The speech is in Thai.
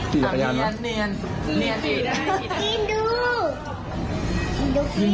กี่กระยานยัง